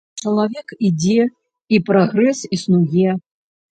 Чалавек ідзе, і прагрэс існуе.